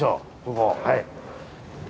ここはい。